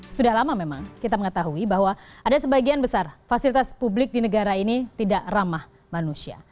sudah lama memang kita mengetahui bahwa ada sebagian besar fasilitas publik di negara ini tidak ramah manusia